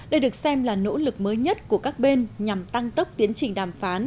đây được xem là nỗ lực mới nhất của các bên nhằm tăng tốc tiến trình đàm phán